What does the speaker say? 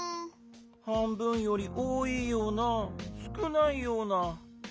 はんぶんよりおおいようなすくないような。